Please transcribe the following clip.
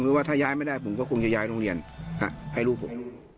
คือว่าถ้าย้ายไม่ได้ผมก็คงจะย้ายโรงเรียนให้ลูกผม